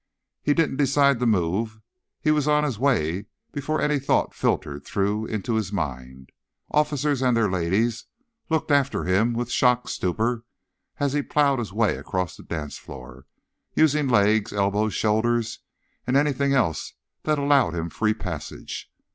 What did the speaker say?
He didn't decide to move; he was on his way before any thought filtered through into his mind. Officers and their ladies looked after him with shocked stupor as he plowed his way across the dance floor, using legs, elbows, shoulders and anything else that allowed him free passage.